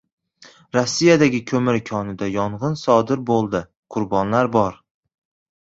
Rossiyadagi ko‘mir konida yong‘in sodir bo‘ldi. Qurbonlar bor